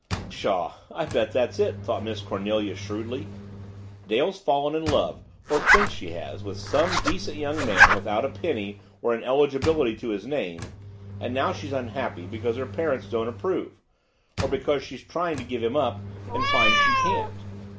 "Pshaw I bet that's it," thought Miss Cornelia shrewdly. "Dale's fallen in love, or thinks she has, with some decent young man without a penny or an 'eligibility' to his name and now she's unhappy because her parents don't approve or because she's trying to give him up and finds she can't.